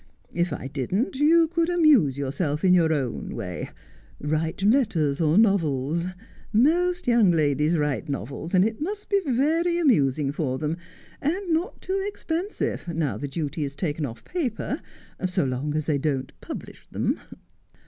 If I didn't, you could amuse yourself in your own way — write letters, or novels — most young ladies write novels, and it must be very amusing for them, and not too ex pensive, now the duty is taken off paper, so long as they don't publish them.'